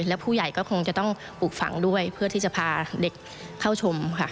และผู้ใหญ่ก็คงจะต้องปลูกฝังด้วยเพื่อที่จะพาเด็กเข้าชมค่ะ